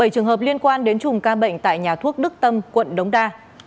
bảy trường hợp liên quan đến chùm ca bệnh tại nhà thuốc đức tâm quận đống đa